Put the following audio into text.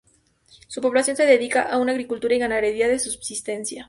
Su población se dedica a una agricultura y ganadería de subsistencia.